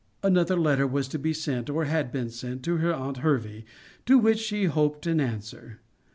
Another letter was to be sent, or had been sent, to her aunt Hervey, to which she hoped an answer.